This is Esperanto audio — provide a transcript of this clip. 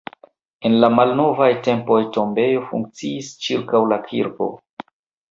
En la malnovaj tempoj tombejo funkciis ĉirkaŭ la kirko.